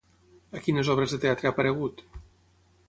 A quines obres de teatre ha aparegut?